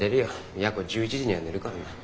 やこ１１時には寝るからな。